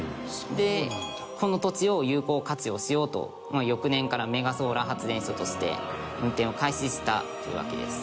でこの土地を有効活用しようと翌年からメガソーラー発電所として運転を開始したというわけです。